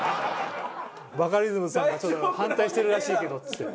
「バカリズムさんがちょっと反対してるらしいけど」っつって。